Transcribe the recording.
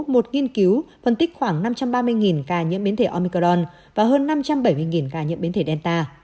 một nghiên cứu phân tích khoảng năm trăm ba mươi ca nhiễm biến thể omicron và hơn năm trăm bảy mươi ca nhiễm biến thể delta